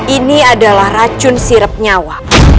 ini adalah racun sirep nyawa